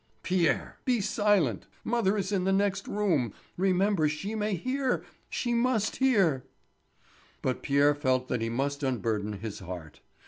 "Pierre! Be silent. Mother is in the next room. Remember she may hear—she must hear." But Pierre felt that he must unburden his heart.